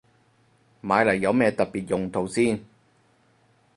買嚟有咩特別用途先